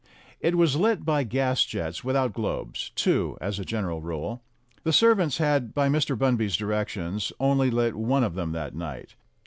It was lit by gas jets without globes, two as a gen eral rule. The servants had by Mr. Bunby's direc tions only lit one of them that night.